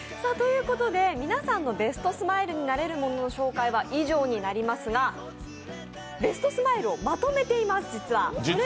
皆さんのベストスマイルになれるものの紹介は以上になりますが実はベストスマイルをまとめています。